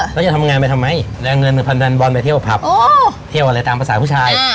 แล้วจะทำงานไปทำไมแล้วเงิน๑๐๐ดันบอลไปเที่ยวผับเที่ยวอะไรตามภาษาผู้ชาย